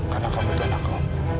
karena kamu itu anak om